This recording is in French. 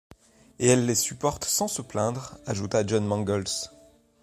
Et elles les supportent sans se plaindre, ajouta John Mangles.